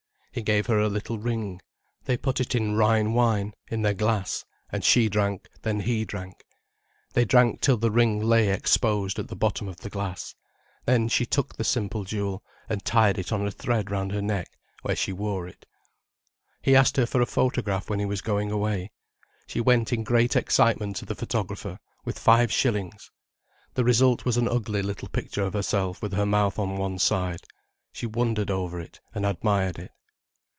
He gave her a little ring. They put it in Rhine wine, in their glass, and she drank, then he drank. They drank till the ring lay exposed at the bottom of the glass. Then she took the simple jewel, and tied it on a thread round her neck, where she wore it. He asked her for a photograph when he was going away. She went in great excitement to the photographer, with five shillings. The result was an ugly little picture of herself with her mouth on one side. She wondered over it and admired it.